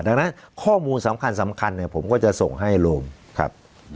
ดังนั้นข้อมูลสำคัญสำคัญเนี่ยผมก็จะส่งให้โรงครับ